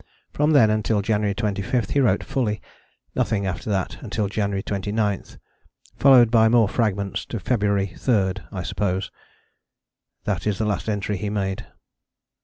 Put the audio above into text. From then until January 25, he wrote fully; nothing after that until January 29, followed by more fragments to "February 3rd (I suppose)." That is the last entry he made.